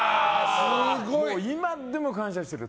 今でも感謝してる。